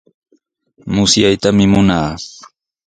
Musyaytami munaa.